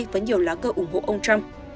với nhiều lá cờ ủng hộ ông trump